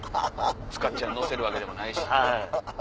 塚っちゃん乗せるわけでもないし。